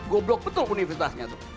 goblok betul universitasnya tuh